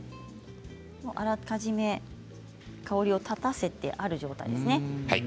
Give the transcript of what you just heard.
あらかじめ香りを立たせてある状態ですね。